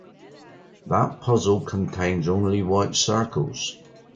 That puzzle contains only white circles.